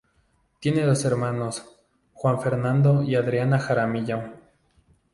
Tiene dos hermanos, Juan Fernando y Adriana Jaramillo.